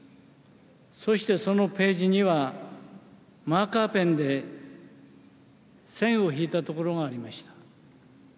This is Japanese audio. そしてそのページには、マーカーペンで線を引いた所がありました。